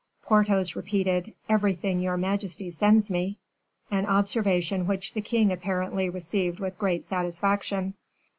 Porthos repeated: "Everything your majesty sends me," an observation which the king apparently received with great satisfaction.